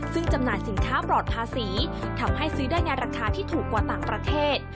ซึ่งจำหน่ายสินค้าปลอดภาษีทำให้ซื้อได้ในราคาที่ถูกกว่าต่างประเทศ